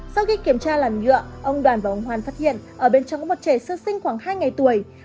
sau khi kiểm tra làn nhựa ông đoàn và ông hoan phát hiện ở bên trong có một trẻ sơ sinh khoảng hai ngày tuổi